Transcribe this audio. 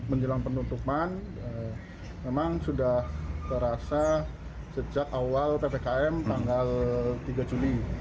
menjelang penutupan memang sudah terasa sejak awal ppkm tanggal tiga juli